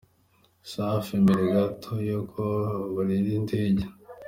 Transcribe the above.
Safi mbere gato y'uko burira i ndege.